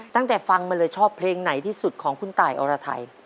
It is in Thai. ตั้งแต่ฟังมาเลยชอบเพลงไหนที่สุดของคุณตายอรไทย